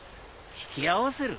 引き合わせる？